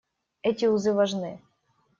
Эти узы важны.